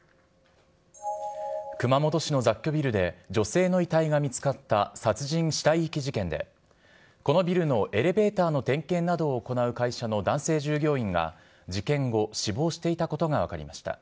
熊本市の雑居ビルで女性の遺体が見つかった殺人・死体遺棄事件で、このビルのエレベーターの点検などを行う会社の男性従業員が事件後、死亡していたことが分かりました。